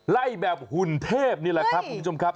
แบบหุ่นเทพนี่แหละครับคุณผู้ชมครับ